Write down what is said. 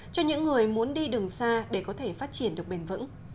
cho những người muốn đi đường xa để có thể phát triển được bền vững